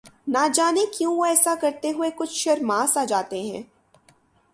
نہ جانے کیوں وہ ایسا کرتے ہوئے کچھ شرماسا جاتے ہیں